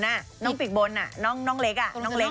น้องปีกบนน้องเล็กอ่ะ